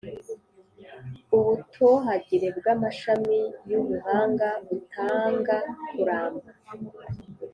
ubutohagire bw’amashami yubuhanga butanga kuramba